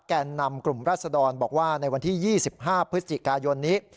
แก่นนำกลุ่มรัศดรบอกว่าในวันที่๒๕พฤศจิกายนนี้